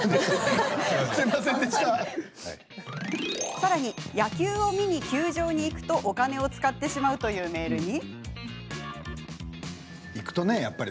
さらに、野球を見に球場に行くとお金を使ってしまうというメールに。